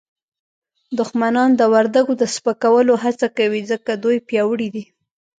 دښمنان د وردګو د سپکولو هڅه کوي ځکه دوی پیاوړي دي